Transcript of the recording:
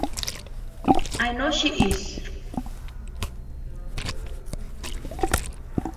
I know she is.